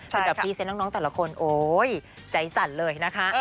เป็นแบบพรีเซนต์น้องแต่ละคนโอ๊ยใจสั่นเลยนะคะ